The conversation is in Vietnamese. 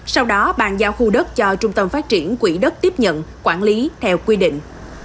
sau đó bàn giao khu đất cho trung tâm phát triển quỹ đất tiếp nhận quản lý theo quy định